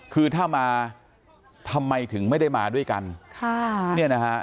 คือถ้ามาทำไมถึงไม่ได้มาด้วยกันค่ะเนี่ยนะฮะ